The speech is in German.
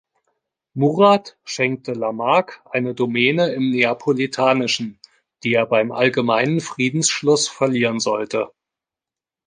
Murat schenkte Lamarque eine Domäne im Neapolitanischen, die er beim allgemeinen Friedensschluss verlieren sollte.